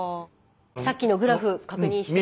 さっきのグラフ確認して。